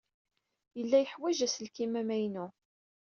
Yella yeḥwaj aselkim amaynu.